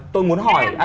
tôi muốn hỏi